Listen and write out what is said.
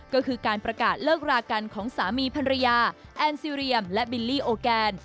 ก็คือการประกาศเลิกรากันของสามีภรรยาแอนซีเรียมและบิลลี่โอแกน